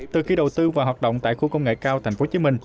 từ khi đầu tư và hoạt động tại khu công nghệ cao thành phố hồ chí minh